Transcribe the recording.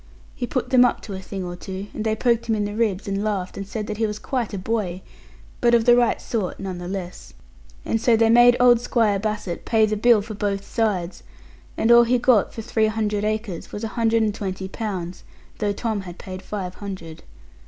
He put them up to a thing or two; and they poked him in the ribs, and laughed, and said that he was quite a boy; but of the right sort, none the less. And so they made old Squire Bassett pay the bill for both sides; and all he got for three hundred acres was a hundred and twenty pounds; though Tom had paid five hundred.